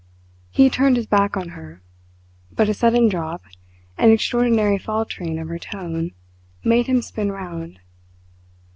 He turned his back on her; but a sudden drop, an extraordinary faltering of her tone, made him spin round.